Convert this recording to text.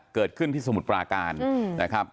เกิดขึ้นที่สมุทรปราการนะครับ